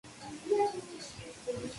Es el propio Breton el que consigue calmarlo.